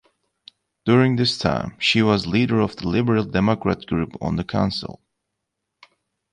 During this time, she was leader of the Liberal Democrat group on the council.